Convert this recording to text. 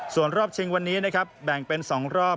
ส่วนรอบชิงวันนี้นะครับแบ่งเป็น๒รอบ